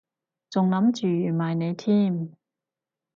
仲諗住預埋你添